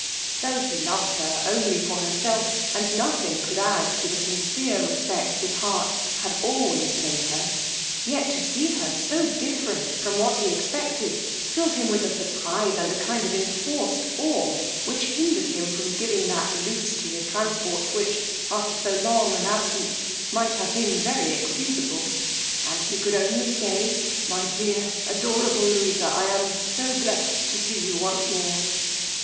Tho' he loved her only for herself, and nothing could add to the sincere respect his heart had always paid her, yet to see her so different from what he expected, filled him with a surprize and a kind of enforced awe, which hindered him from giving that loose to his transports, which, after so long an absence, might have been very excusable; and he could only say my dear adorable Louisa, am I so blessed to see you once more!